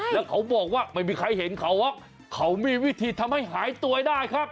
แล้วเขาบอกว่าไม่มีใครเห็นเขาหรอกเขามีวิธีทำให้หายตัวได้ครับ